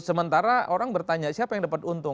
sementara orang bertanya siapa yang dapat untung